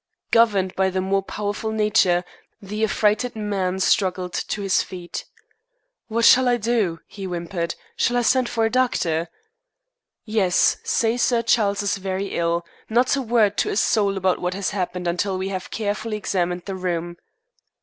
Governed by the more powerful nature, the affrighted man struggled to his feet. "What shall I do?" he whimpered. "Shall I send for a doctor?" "Yes; say Sir Charles is very ill. Not a word to a soul about what has happened until we have carefully examined the room."